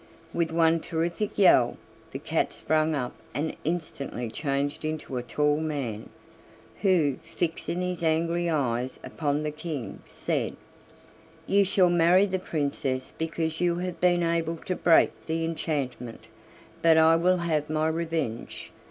With one terrific yell the cat sprang up and instantly changed into a tall man, who, fixing his angry eyes upon the King, said: "You shall marry the Princess because you have been able to break the enchantment, but I will have my revenge.